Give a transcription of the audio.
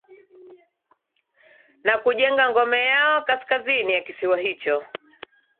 na kujenga ngome yao Kaskazini ya kisiwa hicho